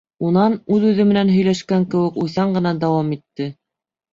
Унан, үҙ-үҙе менән һөйләшкән кеүек, уйсан ғына дауам итте.